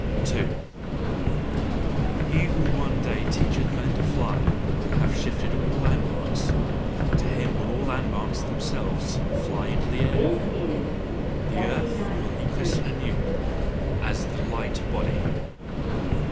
2. He who one day teacheth men to fly will have shifted all landmarks; to him will all landmarks themselves fly into the air; the earth will he christen anew as "the light body."